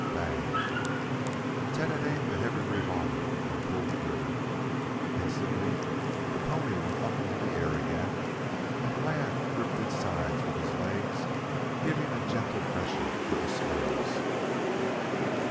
"Bang!" Tad had aimed the heavy revolver and pulled the trigger. Instantly the pony went up into the air again and the lad gripped its sides with his legs, giving a gentle pressure with the spurs.